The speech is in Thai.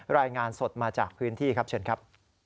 รายงานสดมาจากพื้นที่ครับเชิญครับ